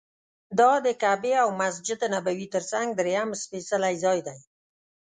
دا د کعبې او مسجد نبوي تر څنګ درېیم سپېڅلی ځای دی.